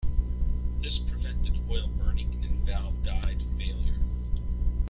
This prevented oil burning and valve guide failure.